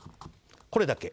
これだけ。